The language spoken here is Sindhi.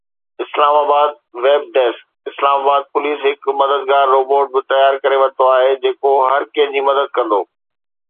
اسلام آباد (ويب ڊيسڪ) اسلام آباد پوليس هڪ مددگار روبوٽ به تيار ڪري ورتو آهي جيڪو هر ڪنهن جي مدد ڪندو